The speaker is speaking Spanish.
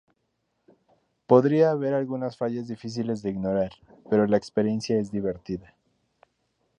Podría haber algunas fallas difíciles de ignorar, pero la experiencia es divertida".